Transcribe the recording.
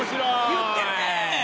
言ってるね！